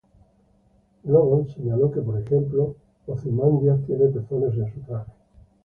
Gibbons señaló que, por ejemplo, "Ozymandias tiene pezones en su traje.